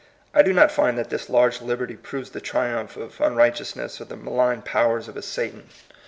•I do not find that this large liberty proves the triumph of unrighteousness or the malign powers of a Satan.